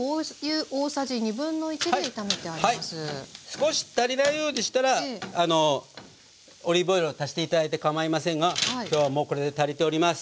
少し足りないようでしたらオリーブオイルを足して頂いてかまいませんが今日はもうこれで足りております。